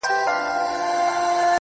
څڼي سرې شونډي تكي تـوري سترگي